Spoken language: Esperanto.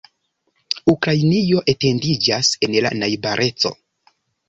Ukrainio etendiĝas en la najbareco.